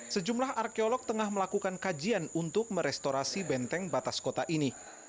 sejumlah arkeolog tengah melakukan kajian untuk merestorasi benteng batas kota ini